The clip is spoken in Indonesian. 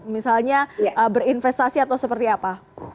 misalnya berinvestasi atau seperti apa